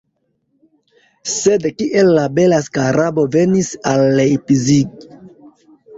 Sed kiel la bela skarabo venis al Leipzig?